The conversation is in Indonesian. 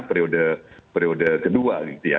periode kedua gitu ya